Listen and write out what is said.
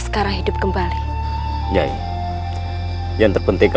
siapa saja yang menghasutimu